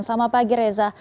selamat pagi reza